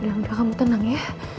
udah udah kamu tenang ya